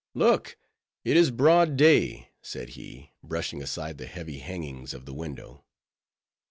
"Look! it is broad day," said he, brushing aside the heavy hangings of the window.